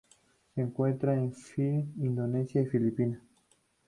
Se encuentra en Fiyi, Indonesia y Filipinas.